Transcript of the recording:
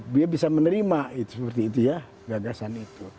beliau bisa menerima itu seperti itu ya gagasan itu